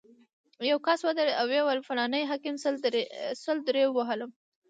یو کس ودرېد او ویې ویل: فلاني حاکم سل درې ووهلم.